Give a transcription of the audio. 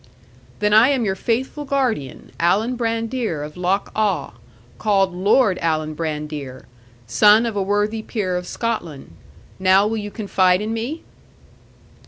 '"Then I am your faithful guardian, Alan Brandir of Loch Awe; called Lord Alan Brandir, son of a worthy peer of Scotland. Now will you confide in me?"